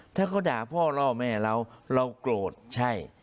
ถ้าเขาด่าพ่อล่อแม่เราเราโกรธใช่